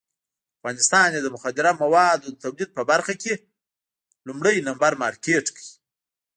افغانستان یې د مخدره موادو د تولید په برخه کې لومړی نمبر مارکېټ کړی.